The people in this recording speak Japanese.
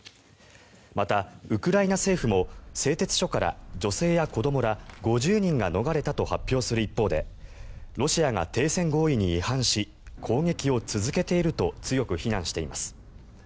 また、ウクライナ政府も製鉄所から女性や子どもら５０人が逃れたと発表する一方でロシアが停戦合意に違反し攻撃を続けていると強く非難しています。